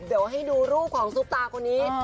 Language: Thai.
เดีี่ยวให้ดูรูปของทรุปตากรณี